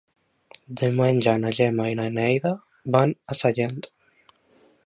Diumenge na Gemma i na Neida van a Sallent.